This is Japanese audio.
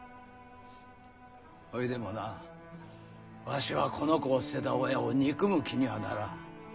ほいでもなわしはこの子を捨てた親を憎む気にはならん。